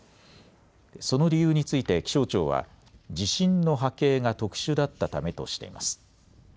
その理由について気象庁は地震の波形が特殊だったためとしています。